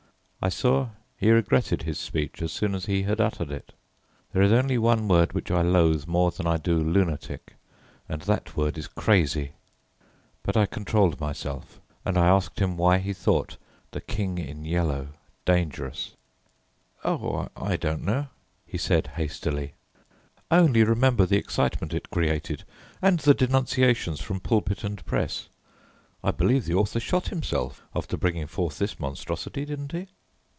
I saw he regretted his speech as soon as he had uttered it. There is only one word which I loathe more than I do lunatic and that word is crazy. But I controlled myself and asked him why he thought The King in Yellow dangerous. "Oh, I don't know," he said, hastily. "I only remember the excitement it created and the denunciations from pulpit and Press. I believe the author shot himself after bringing forth this monstrosity, didn't he?"